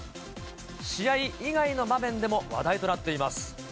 試合以外の場面でも話題となっています。